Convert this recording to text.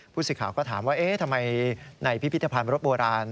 ผู้สื่อข่าวก็ถามว่าเอ๊ะทำไมในพิพิธภัณฑ์รถโบราณ